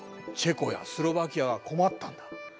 チェコやスロバキアが困ったんだ。